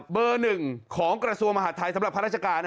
เบอร์๑ของกระทรวงมหาดไทยสำหรับข้าราชการ